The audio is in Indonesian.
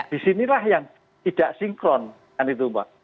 di sinilah yang tidak sinkron kan itu mbak